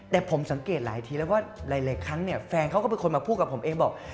แต่ผมสังเกตหลายทีแล้วว่าหลายครั้งเนี่ยแฟนเขาก็เป็นคนมาพูดกับผมเองบอก